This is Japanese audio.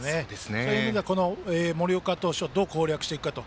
そういう意味では森岡投手をどう攻略していくか。